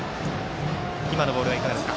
今のボールはいかがですか。